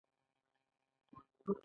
مخکینی کنټرول د مالیې وزارت استازی کوي.